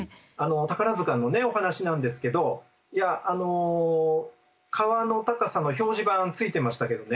宝のお話なんですけど川の高さの表示板ついてましたけどね